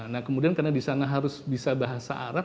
nah kemudian karena di sana harus bisa bahasa arab